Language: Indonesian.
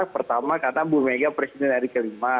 pertama karena bu mega presiden hari kelima